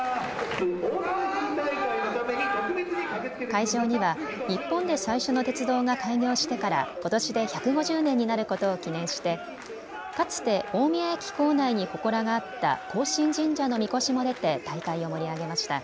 会場には日本で最初の鉄道が開業してからことしで１５０年になることを記念してかつて大宮駅構内にほこらがあった庚申神社のみこしも出て大会を盛り上げました。